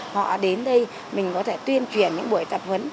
họ đến đây mình có thể tuyên truyền những buổi tập huấn